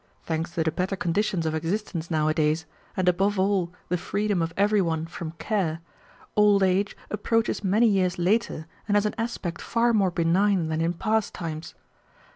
Thanks to the better conditions of existence nowadays, and above all the freedom of every one from care, old age approaches many years later and has an aspect far more benign than in past times.